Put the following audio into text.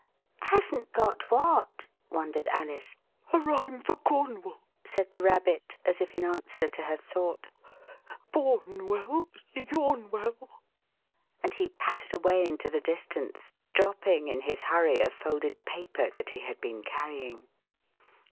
Hasn't got what ?" wondered Alice. A rhyme for Cornwall," said the Rabbit, as if in answer to her thought; borne well, yawn well" — and he pattered away into the distance, dropping in his hurry a folded paper that he had been carrying.